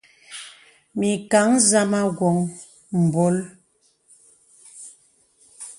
Mìkàŋ zàmā wōŋ mbòl.